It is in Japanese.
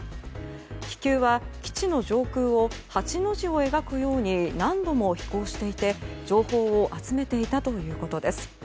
気球は基地の上空を八の字を描くように何度も飛行していて、情報を集めていたということです。